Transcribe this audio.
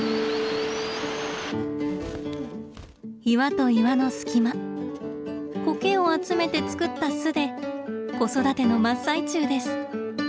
岩と岩の隙間コケを集めて作った巣で子育ての真っ最中です。